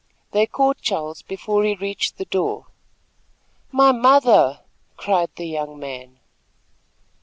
They caught Charles before he reached the door. "My mother!" cried the young man.